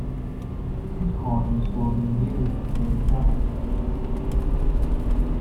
These coins will be needed to pay his debt.